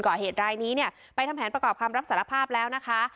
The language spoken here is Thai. ก่อเหตุรายนี้เนี่ยไปทำแผนประกอบคำรับสารภาพแล้วนะคะ